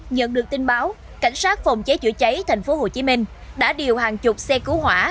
nhận được tin báo cảnh sát phòng cháy chữa cháy tp hcm đã điều hàng chục xe cứu hỏa